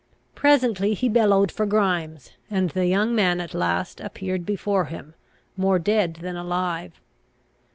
Presently he bellowed for Grimes, and the young man at last appeared before him, more dead than alive.